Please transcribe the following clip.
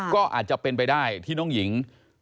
ก็อาจจะเป็นไปได้ที่น้องหญิง